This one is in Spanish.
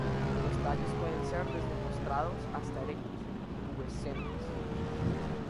Los tallos pueden ser desde postrados hasta erectos, pubescentes.